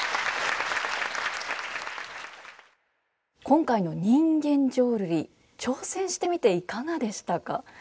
今回の人間浄瑠璃挑戦してみていかがでしたか？